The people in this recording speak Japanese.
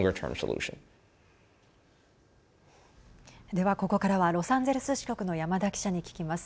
では、ここからはロサンゼルス支局の山田記者に聞きます。